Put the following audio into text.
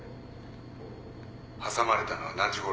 挟まれたのは何時ごろだ？